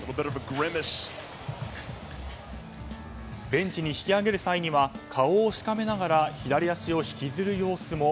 ベンチに引き揚げる際には顔をしかめながら左足を引きずる様子も。